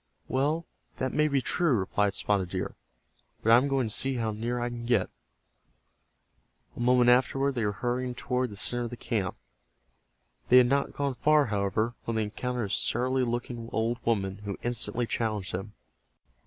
"Well, that may be true," replied Spotted Deer. "But I am going to see how near I can get." A moment afterward they were hurrying toward the center of the camp. They had not gone far, however, when they encountered a surly looking old woman who instantly challenged them.